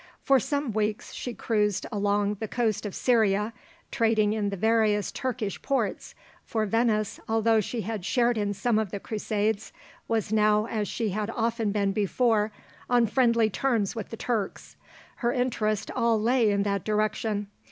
For some weeks she cruised along the coast of Syria, trading in the various Turkish ports, for Venice, although she had shared in some of the crusades, was now, as she had often been before, on friendly terms with the Turks. Her interests all lay in that direction.